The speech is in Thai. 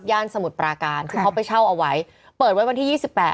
ย่านสมุดปราการที่เขาไปเช่าเอาไว้เปิดไว้วันที่๒๘